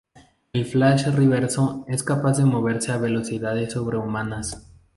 El Flash Reverso es capaz de moverse a velocidades sobrehumanas.